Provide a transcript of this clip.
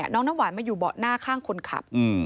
น้องน้ำหวานมาอยู่เบาะหน้าข้างคนขับ